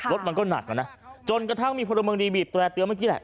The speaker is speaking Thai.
รถมันก็หนักแล้วนะจนกระทั่งมีพลเมืองดีบีบแร่เตือนเมื่อกี้แหละ